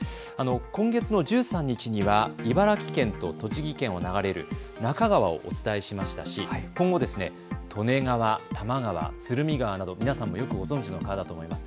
今月１３日には茨城県と栃木県を流れる那珂川をお伝えしましたし今後、利根川、多摩川鶴見川など、皆さんもよくご存じの川だと思います。